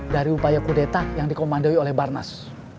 dari upaya kudeta yang dikomandoi oleh barnas